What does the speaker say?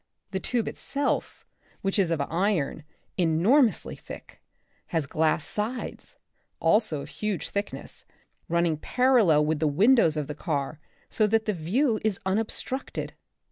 The tube itself, which is of iron, enormously thick, has glass sides, also of huge thickness, running parallel with the windows of the car so that the view is unobstructed.